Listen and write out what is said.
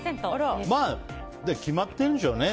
決まっているんでしょうね。